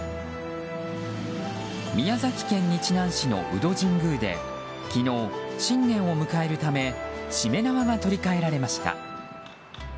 宮崎県日南市の鵜戸神宮で昨日、新年を迎えるためしめ縄が取り換えられました。